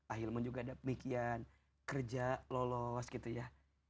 ailman juga ada pemikian kerja lolos gitu ya